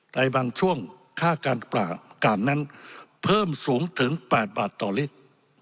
ในบางช่วงค่าการนั้นเพิ่มสูงถึง๘บาทต่อลิตร